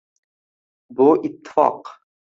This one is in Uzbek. Bu ittifoq